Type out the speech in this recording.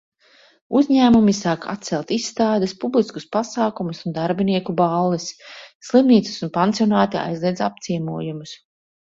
Uzņēmumi sāk atcelt izstādes, publiskus pasākumus un darbinieku balles. Slimnīcas un pansionāti aizliedz apciemojumus.